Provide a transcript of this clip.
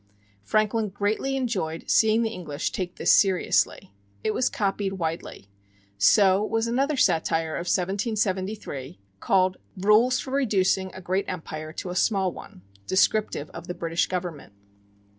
Franklin greatly enjoyed seeing the English take this seriously. It was copied widely. So was another satire of 1773, called "Rules for Reducing a Great Empire to a Small One," descriptive of the British government.